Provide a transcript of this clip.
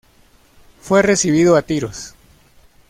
Fue recibido a tiros.